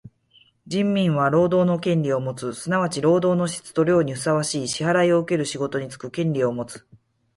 人民は労働の権利をもつ。すなわち労働の質と量にふさわしい支払をうける仕事につく権利をもつ。